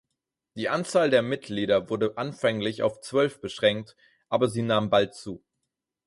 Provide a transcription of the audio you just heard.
Die Anzahl der Mitglieder wurde anfänglich auf zwölf beschränkt, aber sie nahm bald zu.